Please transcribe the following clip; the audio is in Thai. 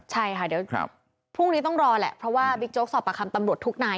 ใช่ค่ะเดี๋ยวพรุ่งนี้ต้องรอแหละเพราะว่าบิ๊กโจ๊กสอบประคำตำรวจทุกนาย